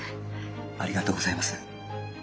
ありがとうございます。